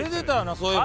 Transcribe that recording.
そういえば。